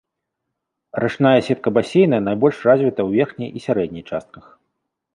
Рачная сетка басейна найбольш развіта ў верхняй і сярэдняй частках.